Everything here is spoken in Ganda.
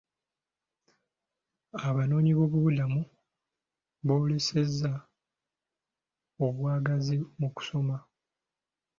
Abanoonyi b'obubudamu boolesezza obwagazi mu kusoma.